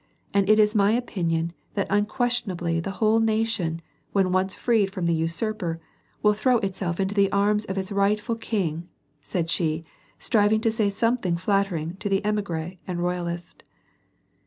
And it is my opinion that unquestionably the whole nation, when once freed from the usurper, will throw itself into the arms of its rightful King," said she, striving to say something flattering for the emigre and Royalist.